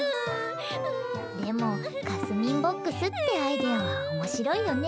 でもかすみんボックスってアイデアは面白いよね。